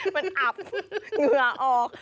มันอับเหงื่อออก